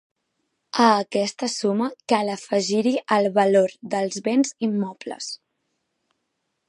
A aquesta suma cal afegir-hi el valor dels béns immobles.